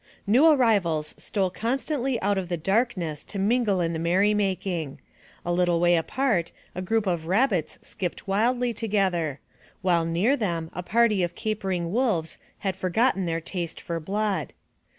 New arrivals stole constantly out of the darkness to mingle in the merrymaking. A little way apart a group of rabbits skipped wildly together, while near them a party of capering wolves had forgotten their taste for blood.